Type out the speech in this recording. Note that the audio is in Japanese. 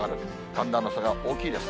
寒暖の差が大きいです。